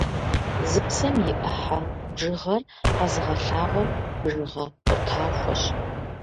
Зы псом и ӏыхьэ бжыгъэр къэзыгъэлъагъуэр бжыгъэ къутахуэщ.